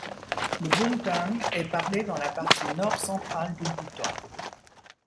Le bumthang est parlé dans la partie nord-centrale du Bhoutan.